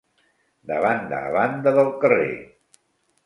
De banda a banda del carrer.